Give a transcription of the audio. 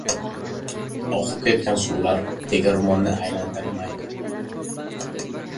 Oqib ketgan suvlar tegirmonni aylantirmaydi.